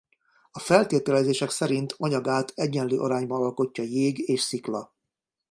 A feltételezések szerint anyagát egyenlő arányban alkotja jég és szikla.